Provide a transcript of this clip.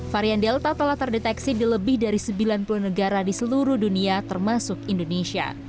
varian delta telah terdeteksi di lebih dari sembilan puluh negara di seluruh dunia termasuk indonesia